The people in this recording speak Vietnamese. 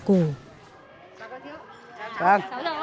chào cô thiếu chào các cô